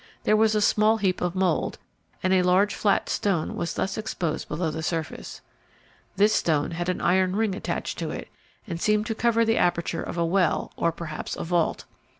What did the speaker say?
There was a small heap of mould, and a large flat stone was thus exposed below the surface. This stone had an iron ring attached to it, and seemed to cover the aperture of a well, or perhaps a vault.